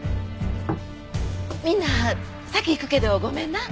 みんな先行くけどごめんな。